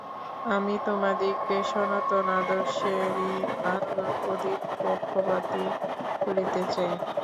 আমি তোমাদিগকে সনাতন আদর্শেরই আরও অধিক পক্ষপাতী করিতে চাই।